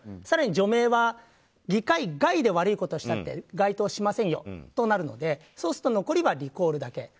更に、除名は議会外で悪いことをしたって該当しませんよとなりますのでそうすると残りはリコールだけ。